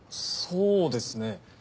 そうですね。